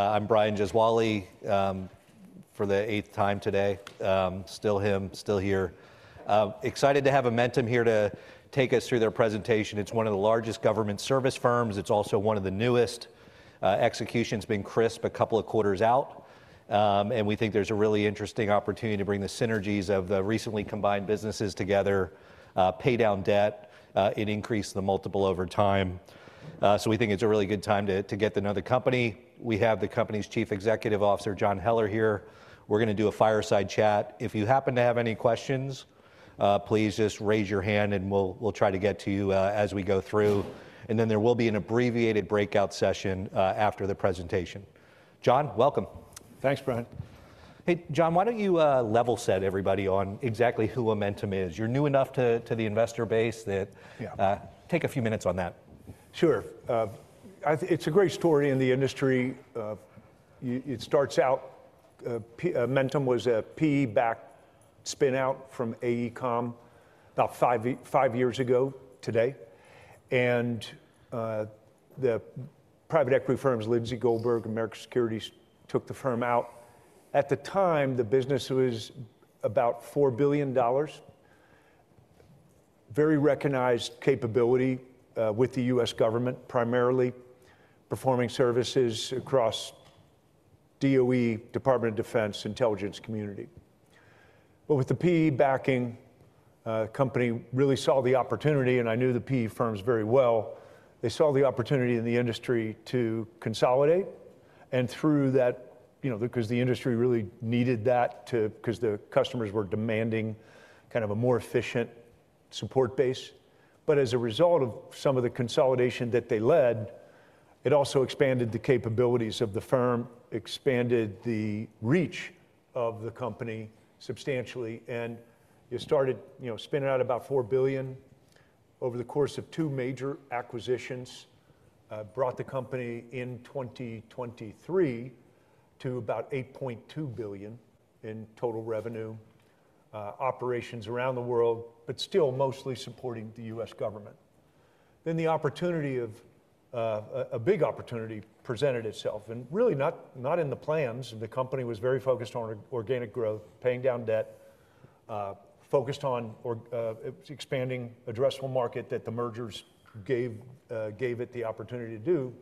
I'm Brian Gesuale, for the eighth time today. Still him, still here. Excited to have Amentum here to take us through their presentation. It's one of the largest government service firms. It's also one of the newest. Execution's been crisp a couple of quarters out. And we think there's a really interesting opportunity to bring the synergies of the recently combined businesses together, pay down debt, and increase the multiple over time. So we think it's a really good time to, to get to know the company. We have the company's Chief Executive Officer, John Heller, here. We're gonna do a fireside chat. If you happen to have any questions, please just raise your hand and we'll, we'll try to get to you, as we go through. And then there will be an abbreviated breakout session, after the presentation. John, welcome. Thanks, Brian. Hey, John, why don't you level set everybody on exactly who Amentum is? You're new enough to the investor base that take a few minutes on that. Sure. I think it's a great story in the industry. You know, it starts out, Amentum was a PE-backed spin-out from AECOM about five years ago today, and the private equity firms, Lindsay Goldberg and American Securities, took the firm out. At the time, the business was about $4 billion, very recognized capability with the U.S. government, primarily performing services across DOE, Department of Defense, intelligence community. But with the PE backing, the company really saw the opportunity, and I knew the PE firms very well. They saw the opportunity in the industry to consolidate, and through that, you know, because the industry really needed that to, because the customers were demanding kind of a more efficient support base, but as a result of some of the consolidation that they led, it also expanded the capabilities of the firm, expanded the reach of the company substantially. You started, you know, spinning out about 4 billion over the course of two major acquisitions, brought the company in 2023 to about 8.2 billion in total revenue, operations around the world, but still mostly supporting the U.S. government. Then the opportunity of a big opportunity presented itself. Really not in the plans. The company was very focused on organic growth, paying down debt, focused on expanding addressable market that the mergers gave it the opportunity to do.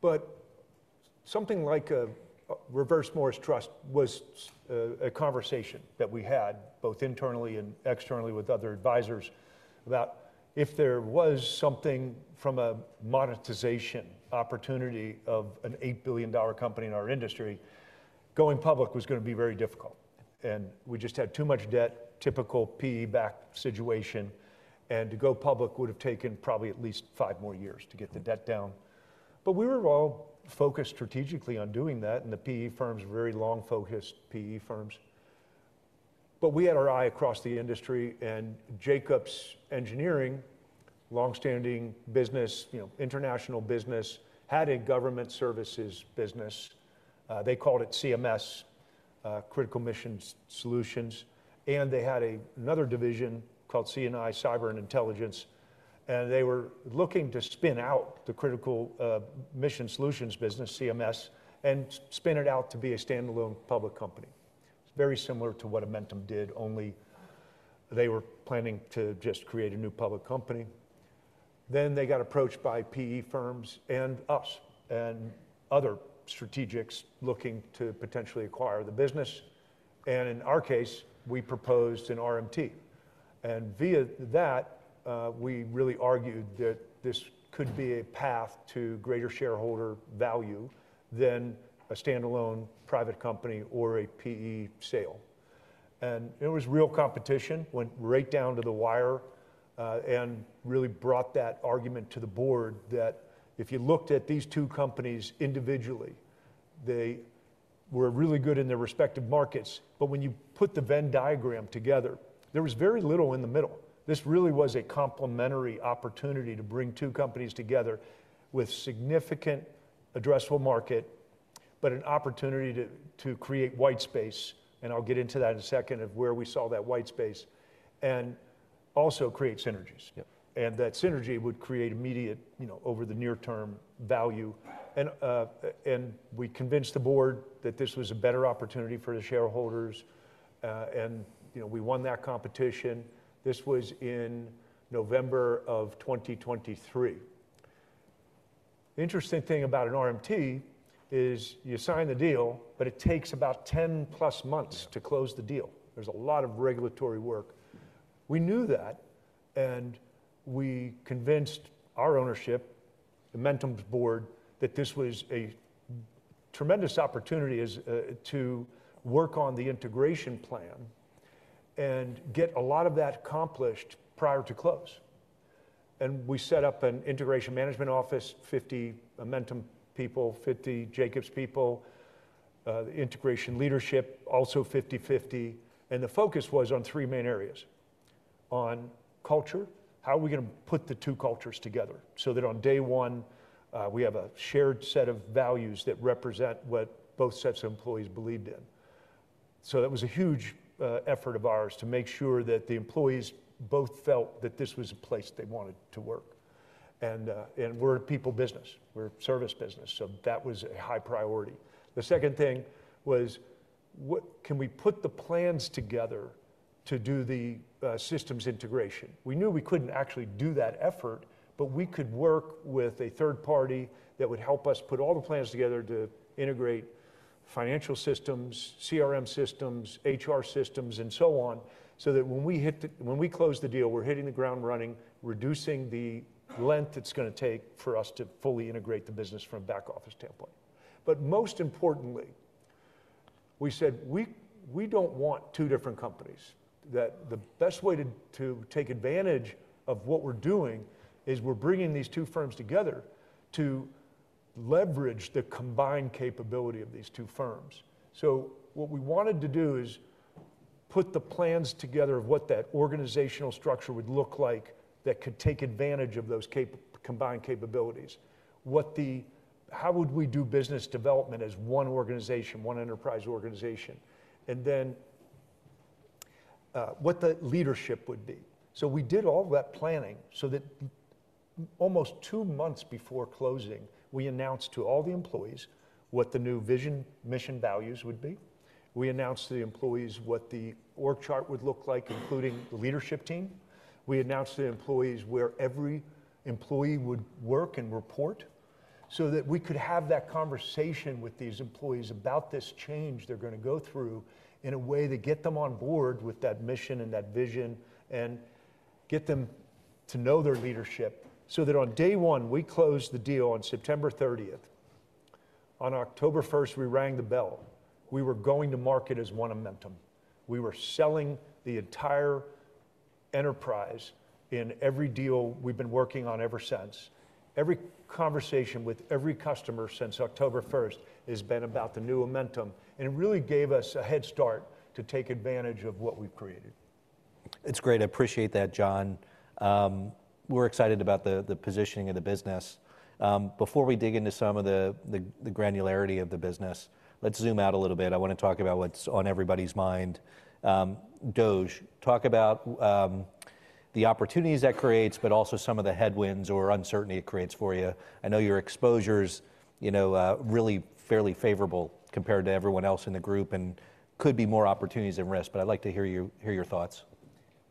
But something like a Reverse Morris Trust was a conversation that we had both internally and externally with other advisors about if there was something from a monetization opportunity of an $8 billion company in our industry. Going public was gonna be very difficult, and we just had too much debt, typical PE-backed situation. To go public would've taken probably at least five more years to get the debt down. We were all focused strategically on doing that. The PE firms, very long-focused PE firms. We had our eye across the industry. Jacobs Engineering, longstanding business, you know, international business, had a government services business. They called it CMS, Critical Mission Solutions. They had another division called C&I, Cyber and Intelligence. They were looking to spin out the Critical Mission Solutions business, CMS, and spin it out to be a standalone public company. It's very similar to what Amentum did, only they were planning to just create a new public company. They got approached by PE firms and us and other strategics looking to potentially acquire the business. In our case, we proposed an RMT. Via that, we really argued that this could be a path to greater shareholder value than a standalone private company or a PE sale. It was real competition, went right down to the wire, and really brought that argument to the board that if you looked at these two companies individually, they were really good in their respective markets. But when you put the Venn diagram together, there was very little in the middle. This really was a complementary opportunity to bring two companies together with significant addressable market, but an opportunity to create white space. I'll get into that in a second of where we saw that white space and also create synergies. Yep. That synergy would create immediate, you know, over the near-term value. We convinced the board that this was a better opportunity for the shareholders. You know, we won that competition. This was in November of 2023. The interesting thing about an RMT is you sign the deal, but it takes about 10 plus months to close the deal. There's a lot of regulatory work. We knew that, and we convinced our ownership, Amentum's board, that this was a tremendous opportunity as to work on the integration plan and get a lot of that accomplished prior to close. We set up an integration management office, 50 Amentum people, 50 Jacobs people, integration leadership, also 50/50. And the focus was on three main areas: on culture, how are we gonna put the two cultures together so that on day one, we have a shared set of values that represent what both sets of employees believed in. So that was a huge effort of ours to make sure that the employees both felt that this was a place they wanted to work, and we're a people business. We're a service business. So that was a high priority. The second thing was, what can we put the plans together to do the systems integration? We knew we couldn't actually do that effort, but we could work with a third party that would help us put all the plans together to integrate financial systems, CRM systems, HR systems, and so on, so that when we close the deal, we're hitting the ground running, reducing the length it's gonna take for us to fully integrate the business from a back office standpoint, but most importantly, we said, we don't want two different companies. That the best way to take advantage of what we're doing is we're bringing these two firms together to leverage the combined capability of these two firms, so what we wanted to do is put the plans together of what that organizational structure would look like that could take advantage of those combined capabilities. How would we do business development as one organization, one enterprise organization? And then, what the leadership would be. So we did all that planning so that almost two months before closing, we announced to all the employees what the new vision, mission, values would be. We announced to the employees what the org chart would look like, including the leadership team. We announced to the employees where every employee would work and report so that we could have that conversation with these employees about this change they're gonna go through in a way to get them on board with that mission and that vision and get them to know their leadership. So that on day one, we closed the deal on September 30th. On October 1st, we rang the bell. We were going to market as one Amentum. We were selling the entire enterprise in every deal we've been working on ever since. Every conversation with every customer since October 1st has been about the new Amentum, and it really gave us a head start to take advantage of what we've created. It's great. I appreciate that, John. We're excited about the positioning of the business. Before we dig into some of the granularity of the business, let's zoom out a little bit. I want to talk about what's on everybody's mind. DOGE. Talk about the opportunities that creates, but also some of the headwinds or uncertainty it creates for you. I know your exposures, you know, really fairly favorable compared to everyone else in the group and could be more opportunities at risk, but I'd like to hear your thoughts.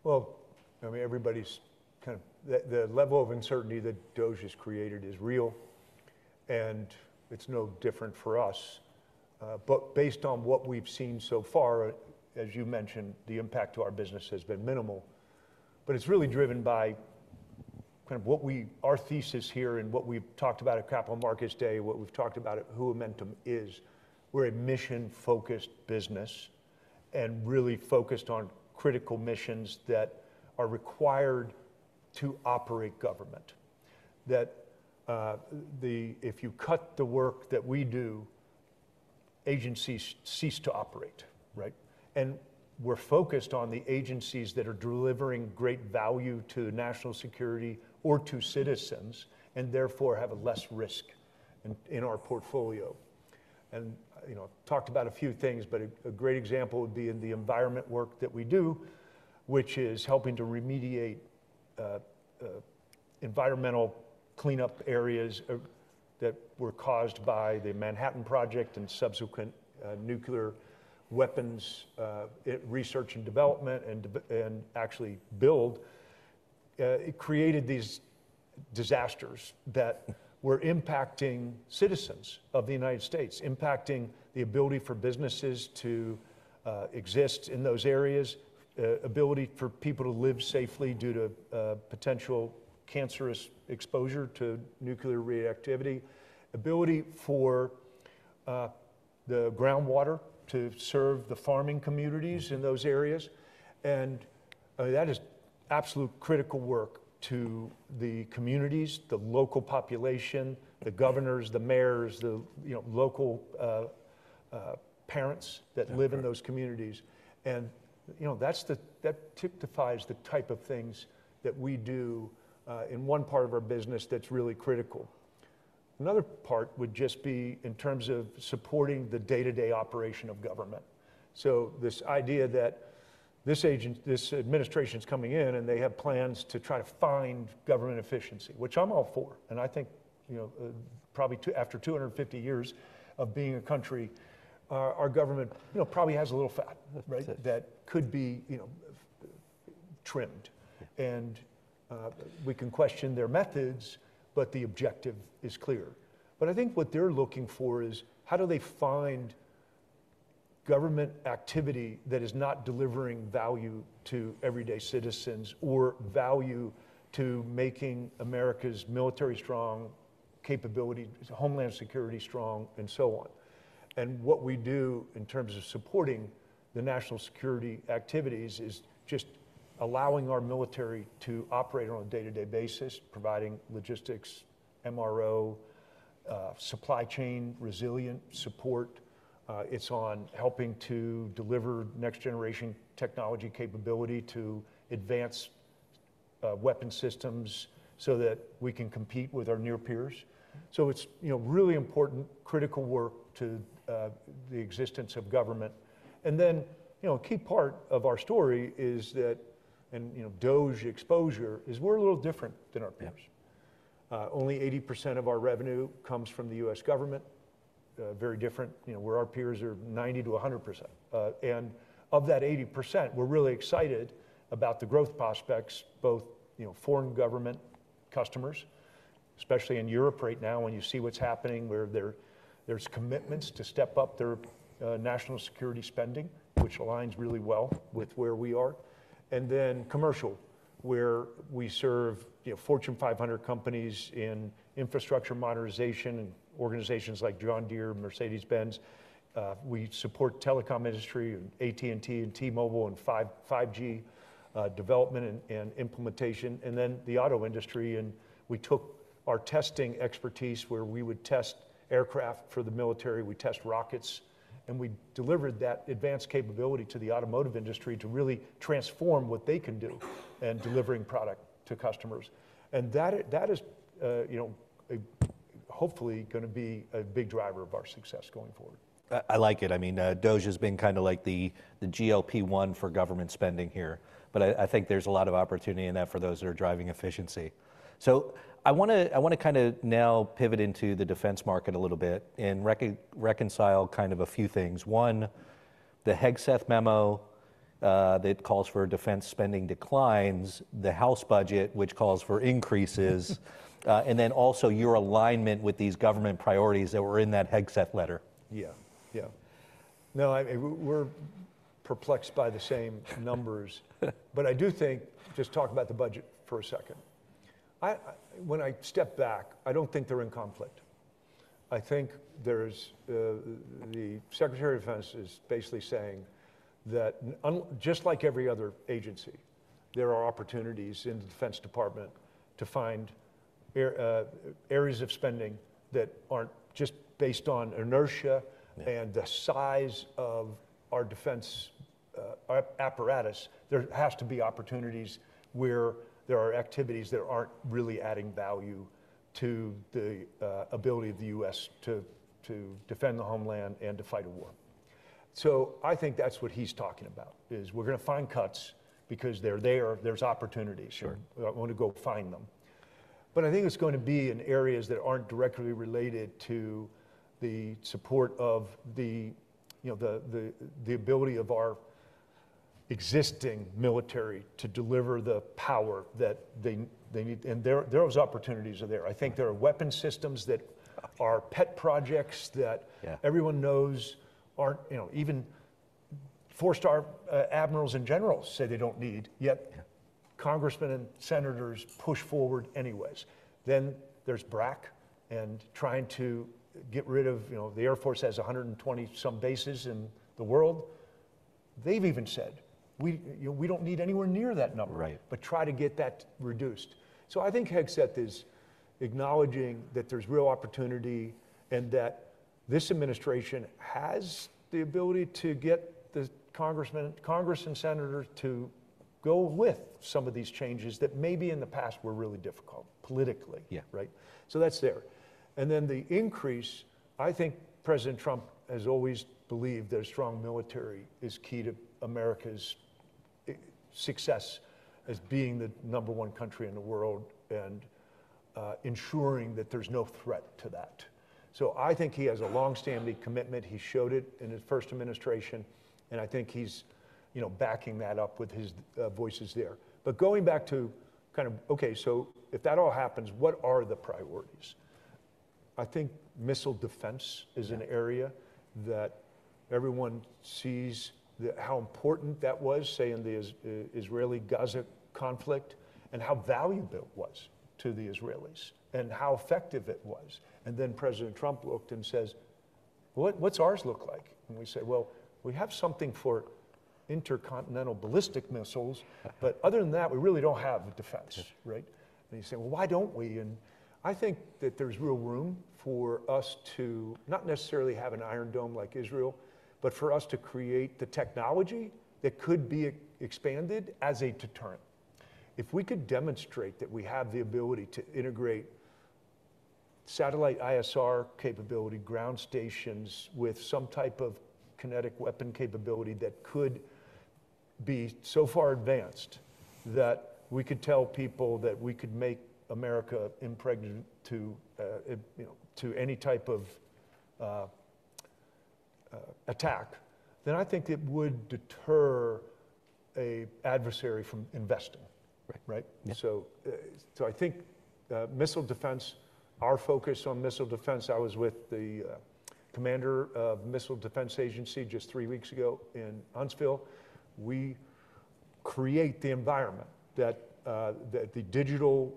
I mean, everybody's kind of the level of uncertainty that DOGE has created is real, and it's no different for us. But based on what we've seen so far, as you mentioned, the impact to our business has been minimal, but it's really driven by kind of what we, our thesis here and what we've talked about at Capital Markets Day, what we've talked about at who Amentum is. We're a mission-focused business and really focused on critical missions that are required to operate government, if you cut the work that we do, agencies cease to operate, right? And we're focused on the agencies that are delivering great value to national security or to citizens and therefore have a less risk in our portfolio. You know, talked about a few things, but a great example would be in the environment work that we do, which is helping to remediate environmental cleanup areas that were caused by the Manhattan Project and subsequent nuclear weapons research and development and actually build it. It created these disasters that were impacting citizens of the United States, impacting the ability for businesses to exist in those areas, ability for people to live safely due to potential cancerous exposure to nuclear reactivity, ability for the groundwater to serve the farming communities in those areas. That is absolute critical work to the communities, the local population, the governors, the mayors, you know, local parents that live in those communities. You know, that's the that typifies the type of things that we do in one part of our business that's really critical. Another part would just be in terms of supporting the day-to-day operation of government. So this idea that this administration's coming in and they have plans to try to find government efficiency, which I'm all for. And I think, you know, probably after 250 years of being a country, our government, you know, probably has a little fat, right? That could be, you know, trimmed. And we can question their methods, but the objective is clear. But I think what they're looking for is how do they find government activity that is not delivering value to everyday citizens or value to making America's military strong, capability, homeland security strong, and so on. And what we do in terms of supporting the national security activities is just allowing our military to operate on a day-to-day basis, providing logistics, MRO, supply chain resilient support. It's on helping to deliver next-generation technology capability to advance weapon systems so that we can compete with our near peers. So it's, you know, really important critical work to the existence of government. And then, you know, a key part of our story is that, and, you know, DOGE exposure is we're a little different than our peers. Only 80% of our revenue comes from the U.S. government. Very different, you know, where our peers are 90%-100%. And of that 80%, we're really excited about the growth prospects, both, you know, foreign government customers, especially in Europe right now when you see what's happening where there, there's commitments to step up their national security spending, which aligns really well with where we are. And then commercial, where we serve, you know, Fortune 500 companies in infrastructure modernization and organizations like John Deere, Mercedes-Benz. We support telecom industry and AT&T and T-Mobile and 5G development and implementation. And then the auto industry. And we took our testing expertise where we would test aircraft for the military, we test rockets, and we delivered that advanced capability to the automotive industry to really transform what they can do and delivering product to customers. And that is, you know, hopefully gonna be a big driver of our success going forward. I like it. I mean, DOGE has been kind of like the GLP-1 for government spending here, but I think there's a lot of opportunity in that for those that are driving efficiency. So I wanna kind of now pivot into the defense market a little bit and reconcile kind of a few things. One, the Hegseth memo that calls for defense spending declines, the House budget which calls for increases, and then also your alignment with these government priorities that were in that Hegseth letter. Yeah. Yeah. No, we're perplexed by the same numbers, but I do think, just talking about the budget for a second, when I step back, I don't think they're in conflict. I think the Secretary of Defense is basically saying that just like every other agency, there are opportunities in the Defense Department to find areas of spending that aren't just based on inertia and the size of our defense apparatus. There has to be opportunities where there are activities that aren't really adding value to the ability of the U.S. to defend the homeland and to fight a war. So I think that's what he's talking about is we're gonna find cuts because they're there, there's opportunities. Sure. I wanna go find them. But I think it's gonna be in areas that aren't directly related to the support of the, you know, the ability of our existing military to deliver the power that they need. And there are opportunities there. I think there are weapon systems that are pet projects that everyone knows aren't, you know, even four-star admirals and generals say they don't need yet. Congressmen and senators push forward anyways. Then there's BRAC and trying to get rid of, you know, the Air Force has 120-some bases in the world. They've even said, we, you know, we don't need anywhere near that number. Right. But try to get that reduced. So I think Hegseth is acknowledging that there's real opportunity and that this administration has the ability to get the congressmen, Congress, and senators to go with some of these changes that maybe in the past were really difficult politically. Yeah. Right? So that's there. And then the increase, I think President Trump has always believed that a strong military is key to America's success as being the number one country in the world and ensuring that there's no threat to that. So I think he has a longstanding commitment. He showed it in his first administration, and I think he's, you know, backing that up with his voices there. But going back to kind of okay, so if that all happens, what are the priorities? I think missile defense is an area that everyone sees how important that was, say in the Israeli-Gaza conflict and how valuable it was to the Israelis and how effective it was. And then President Trump looked and says, what's ours look like? We say, well, we have something for intercontinental ballistic missiles, but other than that, we really don't have a defense, right? He said, well, why don't we? I think that there's real room for us to not necessarily have an Iron Dome like Israel, but for us to create the technology that could be expanded as a deterrent. If we could demonstrate that we have the ability to integrate satellite ISR capability, ground stations with some type of kinetic weapon capability that could be so far advanced that we could tell people that we could make America impregnable to, you know, to any type of attack, then I think it would deter an adversary from investing. Right. Right? So I think missile defense, our focus on missile defense. I was with the Commander of Missile Defense Agency just three weeks ago in Huntsville. We create the environment that the digital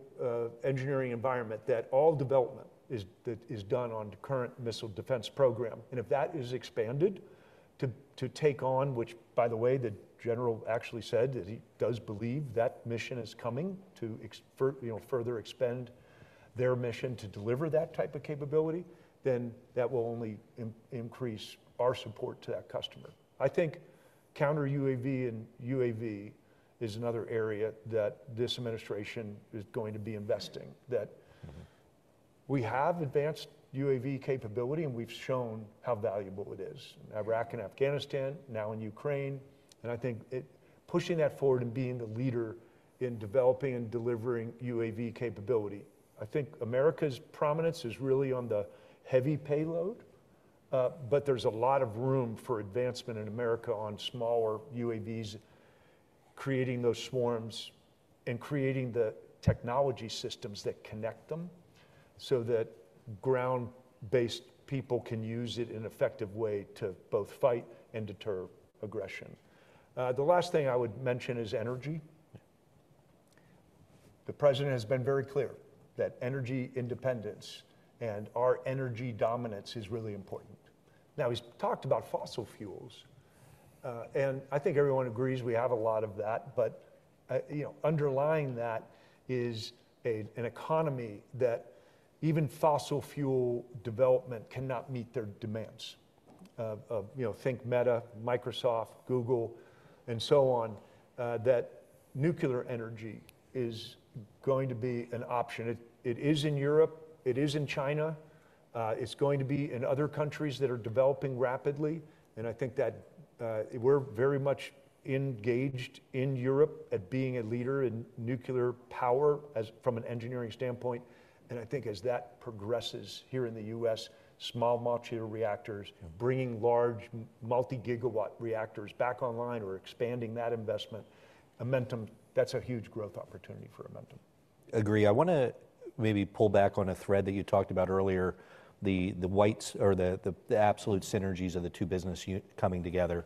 engineering environment that all development is done on the current missile defense program. And if that is expanded to take on, which by the way, the general actually said that he does believe that mission is coming to expand, you know, further expand their mission to deliver that type of capability, then that will only increase our support to that customer. I think counter UAV and UAV is another area that this administration is going to be investing that we have advanced UAV capability and we've shown how valuable it is in Iraq and Afghanistan, now in Ukraine. I think it's pushing that forward and being the leader in developing and delivering UAV capability. I think America's prominence is really on the heavy payload, but there's a lot of room for advancement in America on smaller UAVs, creating those swarms and creating the technology systems that connect them so that ground-based people can use it in an effective way to both fight and deter aggression. The last thing I would mention is energy. The president has been very clear that energy independence and our energy dominance is really important. Now he's talked about fossil fuels, and I think everyone agrees we have a lot of that, but, you know, underlying that is a, an economy that even fossil fuel development cannot meet their demands of, you know, think Meta, Microsoft, Google, and so on, that nuclear energy is going to be an option. It is in Europe, it is in China, it's going to be in other countries that are developing rapidly. And I think that, we're very much engaged in Europe at being a leader in nuclear power as from an engineering standpoint. And I think as that progresses here in the U.S., small modular reactors bringing large multi-gigawatt reactors back online or expanding that investment, Amentum, that's a huge growth opportunity for Amentum. Agree. I wanna maybe pull back on a thread that you talked about earlier, the ways that the absolute synergies of the two businesses coming together.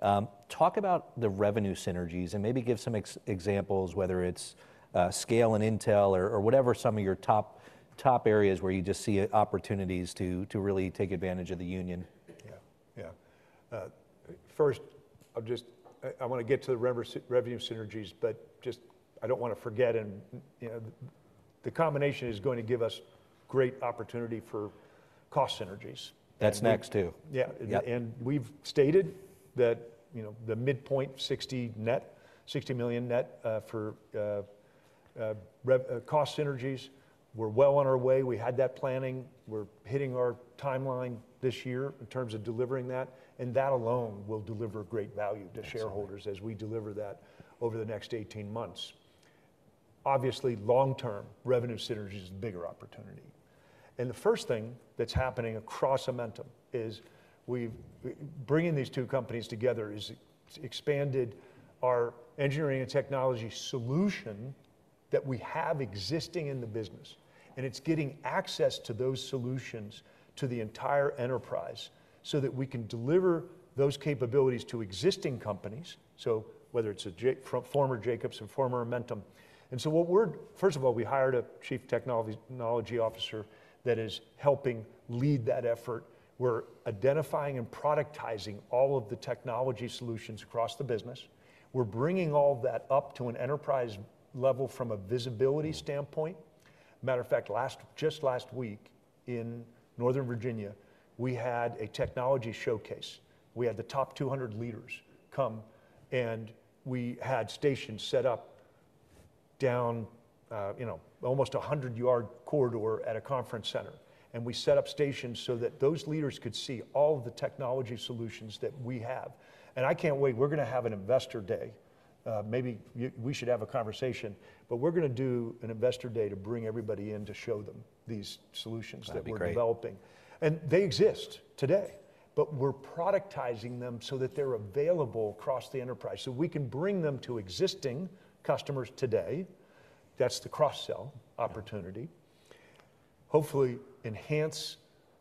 Talk about the revenue synergies and maybe give some examples, whether it's scale in intel or whatever, some of your top areas where you just see opportunities to really take advantage of the union. Yeah. Yeah. First I'll just, I wanna get to the revenue synergies, but just I don't wanna forget, and you know, the combination is going to give us great opportunity for cost synergies. That's next too. Yeah. Yeah. And we've stated that, you know, the midpoint, 60 million net, for our cost synergies. We're well on our way. We had that planning. We're hitting our timeline this year in terms of delivering that. And that alone will deliver great value to shareholders as we deliver that over the next 18 months. Obviously, long-term revenue synergy is a bigger opportunity. And the first thing that's happening across Amentum is we're bringing these two companies together is expanded our engineering and technology solution that we have existing in the business. And it's getting access to those solutions to the entire enterprise so that we can deliver those capabilities to existing companies. So whether it's a team from former Jacobs and former Amentum. And so what we're, first of all, we hired a chief technology officer that is helping lead that effort. We're identifying and productizing all of the technology solutions across the business. We're bringing all of that up to an enterprise level from a visibility standpoint. Matter of fact, just last week in Northern Virginia, we had a technology showcase. We had the top 200 leaders come, and we had stations set up down, you know, almost a 100-yard corridor at a conference center. We set up stations so that those leaders could see all of the technology solutions that we have. I can't wait. We're gonna have an investor day. Maybe you, we should have a conversation, but we're gonna do an investor day to bring everybody in to show them these solutions that we're developing. They exist today, but we're productizing them so that they're available across the enterprise so we can bring them to existing customers today. That's the cross-sell opportunity. Hopefully enhance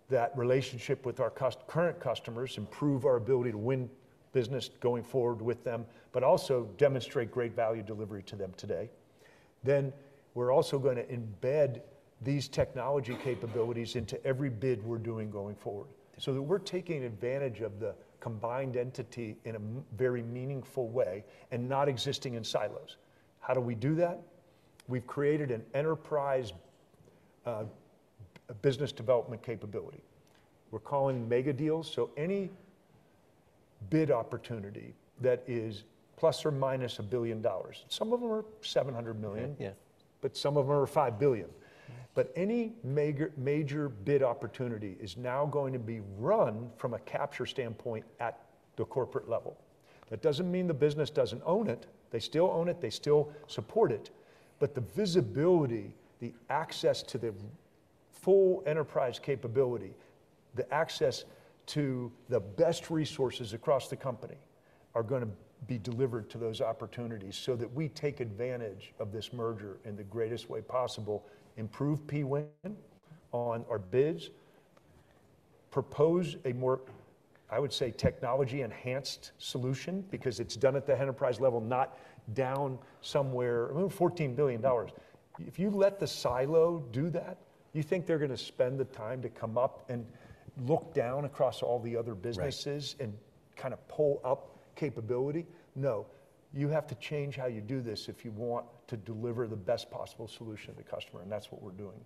that relationship with our current customers, improve our ability to win business going forward with them, but also demonstrate great value delivery to them today. Then we're also gonna embed these technology capabilities into every bid we're doing going forward so that we're taking advantage of the combined entity in a very meaningful way and not existing in silos. How do we do that? We've created an enterprise, business development capability. We're calling mega deals. So any bid opportunity that is plus or minus $1 billion, some of 'em are 700 million. Yeah. But some of are 5 billion. But any mega, major bid opportunity is now going to be run from a capture standpoint at the corporate level. That doesn't mean the business doesn't own it. They still own it. They still support it. But the visibility, the access to the full enterprise capability, the access to the best resources across the company are gonna be delivered to those opportunities so that we take advantage of this merger in the greatest way possible, improve P win on our bids, propose a more, I would say, technology-enhanced solution because it's done at the enterprise level, not down somewhere, well, $14 billion. If you let the silo do that, you think they're gonna spend the time to come up and look down across all the other businesses and kind of pull up capability? No, you have to change how you do this if you want to deliver the best possible solution to the customer. And that's what we're doing.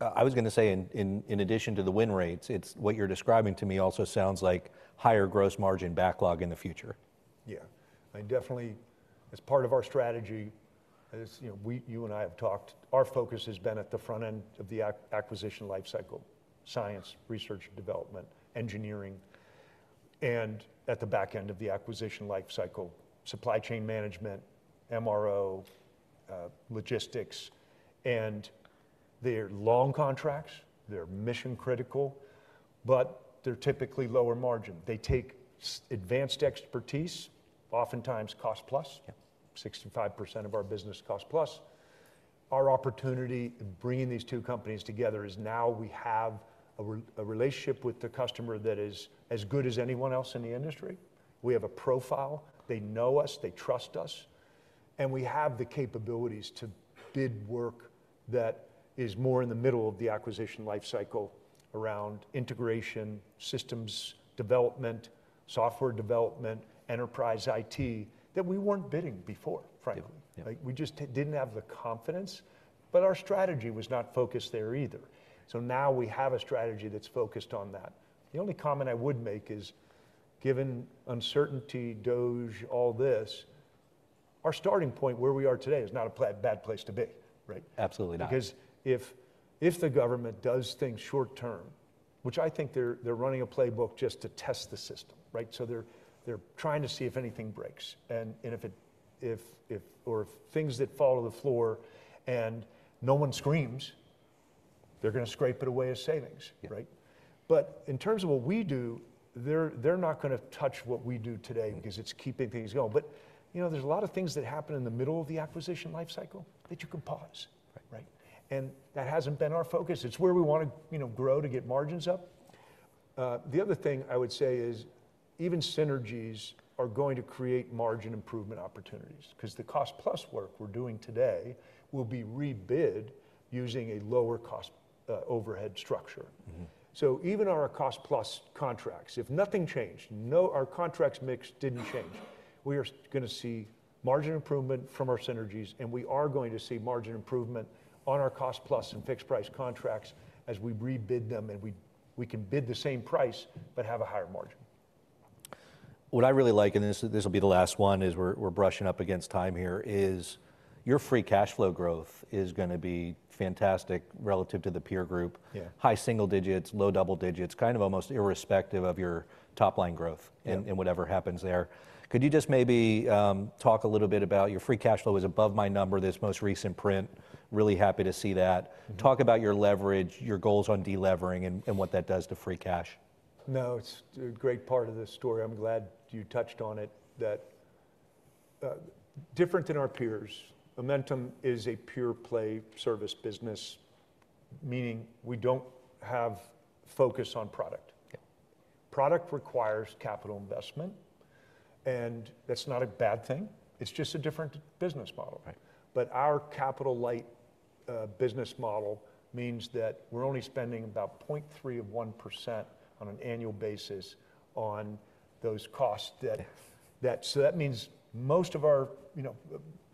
I was gonna say in addition to the win rates, it's what you're describing to me also sounds like higher gross margin backlog in the future. Yeah. I definitely, as part of our strategy, as you know, we, you and I have talked, our focus has been at the front end of the acquisition lifecycle: science, research, development, engineering, and at the backend of the acquisition lifecycle: supply chain management, MRO, logistics. And they're long contracts. They're mission critical, but they're typically lower margin. They take advanced expertise, oftentimes cost-plus. Yeah. 65% of our business cost-plus. Our opportunity in bringing these two companies together is now we have a relationship with the customer that is as good as anyone else in the industry. We have a profile. They know us. They trust us. And we have the capabilities to bid work that is more in the middle of the acquisition lifecycle around integration systems, development, software development, enterprise IT that we weren't bidding before, frankly. Yeah. Like we just didn't have the confidence, but our strategy was not focused there either. So now we have a strategy that's focused on that. The only comment I would make is, given uncertainty, DOGE, all this, our starting point where we are today is not a bad place to be. Right? Absolutely not. Because if the government does things short-term, which I think they're running a playbook just to test the system, right? So they're trying to see if anything breaks. And if things that fall to the floor and no one screams, they're gonna scrape it away as savings. Yeah. Right? But in terms of what we do, they're not gonna touch what we do today because it's keeping things going. But, you know, there's a lot of things that happen in the middle of the acquisition lifecycle that you can pause. Right. Right? And that hasn't been our focus. It's where we wanna, you know, grow to get margins up. The other thing I would say is even synergies are going to create margin improvement opportunities. 'Cause the cost plus work we're doing today will be rebid using a lower cost, overhead structure. Even our cost-plus contracts, if nothing changed, no, our contract mix didn't change. We are gonna see margin improvement from our synergies, and we are going to see margin improvement on our cost-plus and fixed-price contracts as we rebid them, and we can bid the same price but have a higher margin. What I really like, and this is, this'll be the last one as we're brushing up against time here, is your free cash flow growth is gonna be fantastic relative to the peer group. Yeah. High single digits, low double digits, kind of almost irrespective of your top line growth. Whatever happens there. Could you just maybe talk a little bit about your free cash flow is above my number, this most recent print? Really happy to see that. Talk about your leverage, your goals on delevering, and what that does to free cash. No, it's a great part of this story. I'm glad you touched on it. That, different than our peers, Amentum is a pure play service business, meaning we don't have focus on product. Yep. Product requires capital investment, and that's not a bad thing. It's just a different business model. Right. But our capital light business model means that we're only spending about 0.31% on an annual basis on those costs, so that means most of our,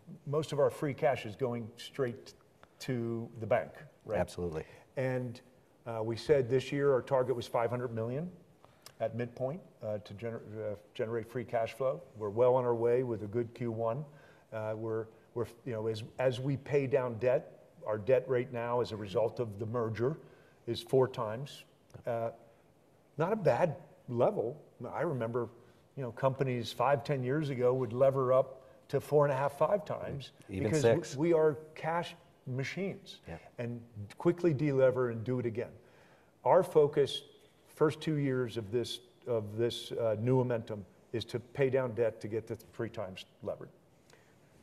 you know, free cash is going straight to the bank. Right? Absolutely. We said this year our target was 500 million at midpoint to generate free cash flow. We're well on our way with a good Q1. You know, as we pay down debt, our debt rate now as a result of the merger is four times, not a bad level. I remember, you know, companies five, 10 years ago would lever up to four and a half, five times. Even six. Because we are cash machines. Yeah. Quickly delever and do it again. Our focus first two years of this new Amentum is to pay down debt to get the three times levered.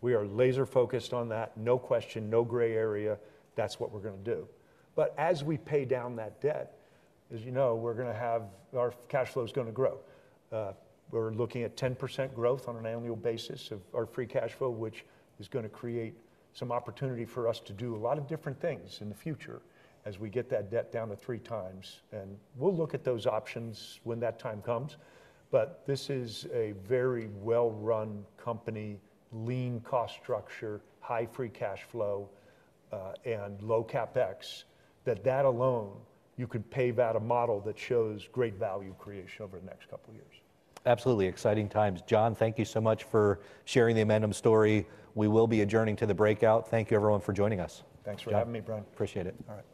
We are laser focused on that. No question, no gray area. That's what we're gonna do. But as we pay down that debt, as you know, we're gonna have our cash flow's gonna grow. We're looking at 10% growth on an annual basis of our free cash flow, which is gonna create some opportunity for us to do a lot of different things in the future as we get that debt down to three times. We'll look at those options when that time comes. But this is a very well-run company, lean cost structure, high free cash flow, and low CapEx that, that alone, you can pave out a model that shows great value creation over the next couple of years. Absolutely. Exciting times. John, thank you so much for sharing the Amentum story. We will be adjourning to the breakout. Thank you everyone for joining us. Thanks for having me, Brian. Appreciate it. All right.